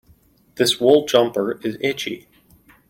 This wool jumper is itchy.